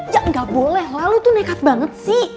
ya gak boleh lah lo tuh nekat banget sih